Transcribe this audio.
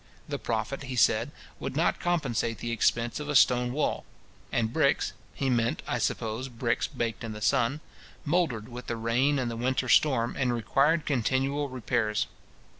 The profit, he said, would not compensate the expense of a stone wall: and bricks (he meant, I suppose, bricks baked in the sun) mouldered with the rain and the winter storm, and required continual repairs.